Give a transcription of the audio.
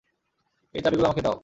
ওই চাবিগুলো আমাকে দাও!